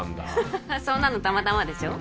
フフフそんなのたまたまでしょ？